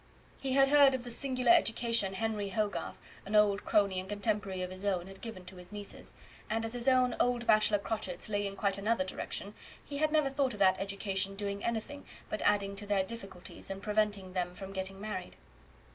He had heard of the singular education Henry Hogarth, an old crony and contemporary of his own, had given to his nieces, and as his own old bachelor crotchets lay in quite another direction, he had never thought of that education doing anything but adding to their difficulties, and preventing them from getting married.